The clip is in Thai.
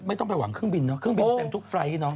ไม่ต้องไปหวังเครื่องบินเนาะเครื่องบินเต็มทุกไฟล์ทเนอ